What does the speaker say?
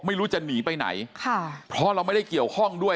ไม่รู้จะหนีไปไหนค่ะเพราะเราไม่ได้เกี่ยวข้องด้วย